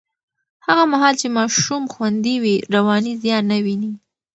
هغه مهال چې ماشومان خوندي وي، رواني زیان نه ویني.